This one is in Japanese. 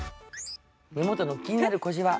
目元の気になる小じわ。